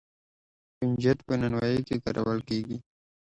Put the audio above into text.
کنجد په نانوايۍ کې کارول کیږي.